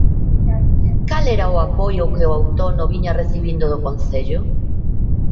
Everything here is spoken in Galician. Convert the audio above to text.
Cal era o apoio que o Outono viña recibindo do Concello?